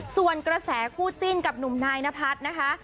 ส่วนกระแสคู่จิ้นกับหนุ่มนายนพัฒน์นะคะ